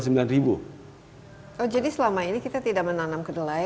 jadi selama ini kita tidak menanam kedelai